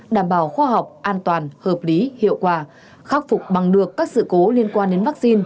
đảm bảo khoa học an toàn hợp lý hiệu quả khắc phục bằng được các sự cố liên quan đến vaccine